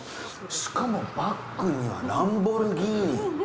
しかもバックにはランボルギーニ！